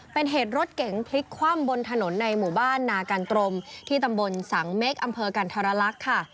เป็นเหตุรถเก๋งพลิกคว่ำบนถนนในหมู่บ้านนากันตรมที่ตำบลสังเม็กอำเภอกันธรรลักษณ์ค่ะ